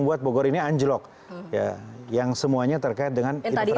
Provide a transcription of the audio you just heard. beragfalls dan apalagi lady prince zumar komise yang menyebut lakior dengan rapper "